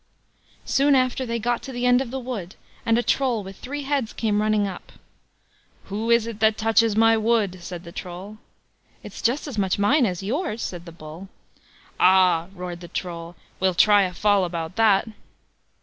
Soon after they got to the end of the wood, and a Troll with three heads came running up: "Who is this that touches my wood?" said the Troll. "It's just as much mine as yours", said the Bull. "Ah!" roared the Troll, "we'll try a fall about that."